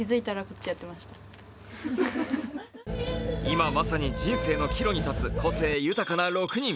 今、まさに人生の岐路に立つ個性豊かな６人。